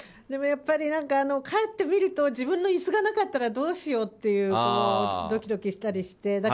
やっぱり帰ってみると自分の椅子がなかったらどうしようとドキドキしたりして。